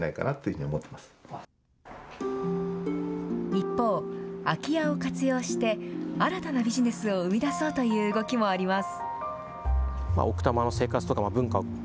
一方、空き家を活用して新たなビジネスを生み出そうという動きもあります。